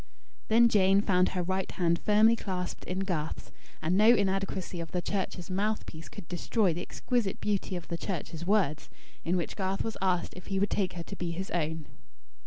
Then Jane found her right hand firmly clasped in Garth's; and no inadequacy of the Church's mouth piece could destroy the exquisite beauty of the Church's words, in which Garth was asked if he would take her to be his own.